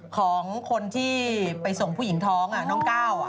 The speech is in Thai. ของคนที่ไปส่งผู้หญิงท้องน้องก้าว